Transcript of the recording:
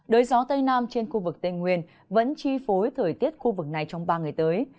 đới gió tây nam trên khu vực tây nguyên vẫn chi phối thời tiết khu vực này trong ba ngày tới